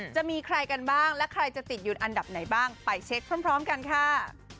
จะมีใครกันบ้างและใครจะติดอยู่อันดับไหนบ้างไปเช็คพร้อมกันค่ะ